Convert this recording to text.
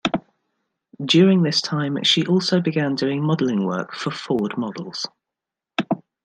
During this time, she also began doing modeling work for Ford Models.